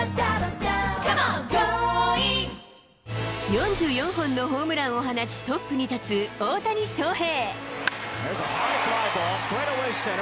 ４４本のホームランを放ち、トップに立つ大谷翔平。